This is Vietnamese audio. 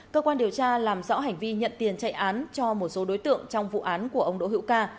cơ quan điều tra làm rõ hành vi nhận tiền chạy án cho một số đối tượng trong vụ án của ông đỗ hữu ca